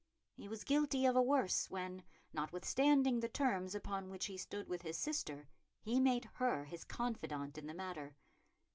He was guilty of a worse when, notwithstanding the terms upon which he stood with his sister, he made her his confidant in the matter.